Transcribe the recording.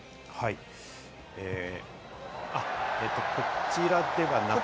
こちらではなくて。